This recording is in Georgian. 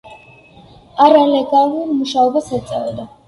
არალეგალურ მუშაობას ეწეოდა.